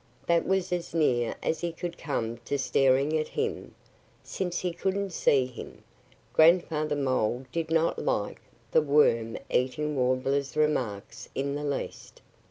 That was as near as he could come to staring at him, since he couldn't see him. Grandfather Mole did not like the Worm eating Warbler's remarks in the least!